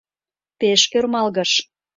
Пеш ӧрмалгыш.